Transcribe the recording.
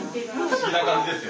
不思議な感じですよ。